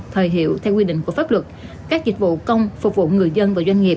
thời hiệu theo quy định của pháp luật các dịch vụ công phục vụ người dân và doanh nghiệp